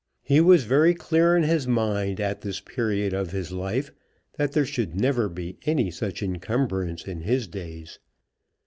He was very clear in his mind at this period of his life that there should never be any such encumbrance in his days.